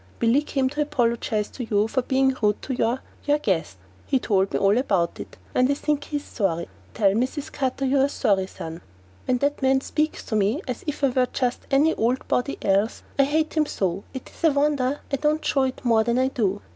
"Bill came to apologise to you for being rude to your your guest. He told me all about it, and I think he's sorry. Tell Mrs. Carter you are sorry, son." When that man speaks to me as if I were just any old body else, I hate him so it is a wonder I don't show it more than I do.